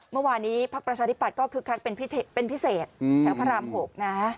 เมื่อวานนี้พักประชาธิบัตย์ก็คึกคักเป็นพิเศษแถวพระราม๖นะ